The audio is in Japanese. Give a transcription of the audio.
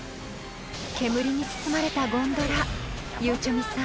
［煙に包まれたゴンドラゆうちゃみさん